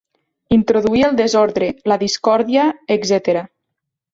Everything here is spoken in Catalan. Introduir el desordre, la discòrdia, etc.